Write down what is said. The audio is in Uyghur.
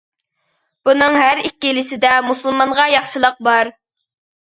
بۇنىڭ ھەر ئىككىلىسىدە مۇسۇلمانغا ياخشىلىق بار.